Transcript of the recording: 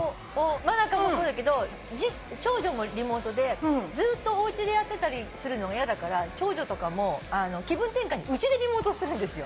真香もそうだけど長女もリモートでずっとおうちでやってたりするのが嫌だから長女とかも気分転換にうちでリモートするんですよ。